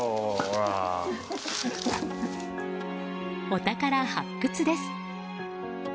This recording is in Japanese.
お宝発掘です。